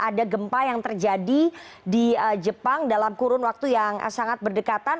ada gempa yang terjadi di jepang dalam kurun waktu yang sangat berdekatan